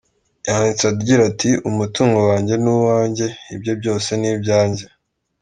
Yanditse agira ati “Umutungo wanjye ni uwanjye, ibye byose ni ibyanjye”.